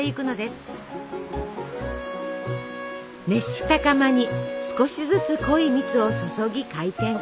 熱した釜に少しずつ濃い蜜を注ぎ回転。